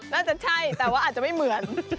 น่าจะใช่แต่ว่าอาจจะไม่เหมือน